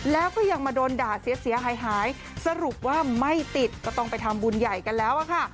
แล้วก็ยังมาโดนด่าเสียหายหายสรุปว่าไม่ติดก็ต้องไปทำบุญใหญ่กันแล้วอะค่ะ